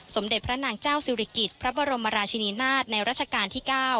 สมเด็จพระนางเจ้าศิริกิจพระบรมราชินีนาฏในราชการที่๙